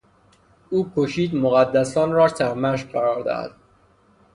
او کوشید مقدسان را سرمشق قرار دهد.